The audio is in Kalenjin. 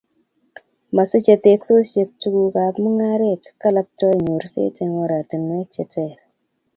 Masiche teksosiek tukuk ab mungaret, kalaptoi nyorset eng oratinwek che ter